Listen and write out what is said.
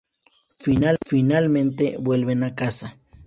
Finalmente vuelven a casa.